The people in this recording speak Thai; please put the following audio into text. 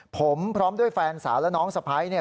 ผมพร้อมด้วยแฟนสาวและน้องสะไพร